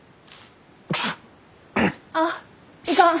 あっいかん！